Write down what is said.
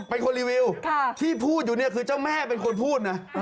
เป็นคนรีวิวที่พูดอยู่เนี่ยคือเจ้าแม่เป็นคนพูดนะ